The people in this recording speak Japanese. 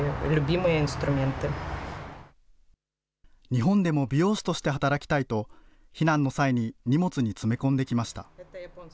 日本でも美容師として働きたいと、避難の際に荷物に詰め込んできました。